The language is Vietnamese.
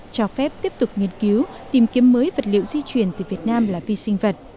cho phép tiếp tục nghiên cứu tìm kiếm mới vật liệu di chuyển từ việt nam là vi sinh vật